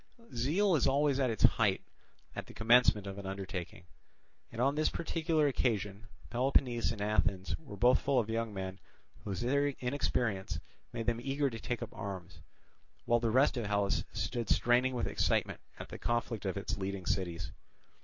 Zeal is always at its height at the commencement of an undertaking; and on this particular occasion Peloponnese and Athens were both full of young men whose inexperience made them eager to take up arms, while the rest of Hellas stood straining with excitement at the conflict of its leading cities.